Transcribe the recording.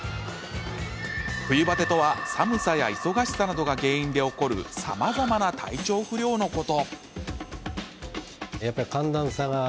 冬バテとは寒さや忙しさなどが原因で起こるさまざまな体調不良のこと。